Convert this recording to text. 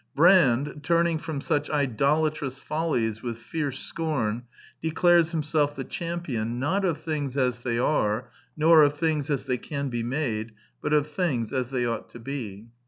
Brand, turning from such idolatrous follies with fierce scorn, declares himself the champion, not of things as they are, nor of things as they can be made, but of things as they ought to be.